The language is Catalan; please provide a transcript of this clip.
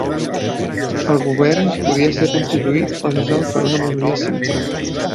El govern podia ser constituït o dissolt per una majoria simple.